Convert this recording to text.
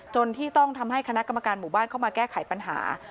ที่ต้องทำให้คณะกรรมการหมู่บ้านเข้ามาแก้ไขปัญหา